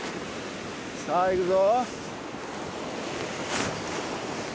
さぁ行くぞ！